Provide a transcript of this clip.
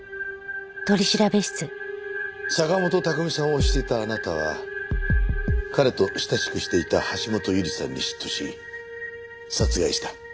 坂元拓海さんを推していたあなたは彼と親しくしていた橋本優里さんに嫉妬し殺害した。